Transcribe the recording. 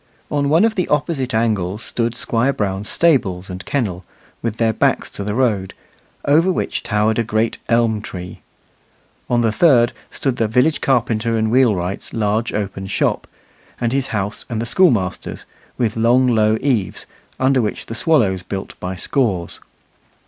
On one of the opposite angles stood Squire Brown's stables and kennel, with their backs to the road, over which towered a great elm tree; on the third stood the village carpenter and wheelwright's large open shop, and his house and the schoolmaster's, with long low eaves, under which the swallows built by scores.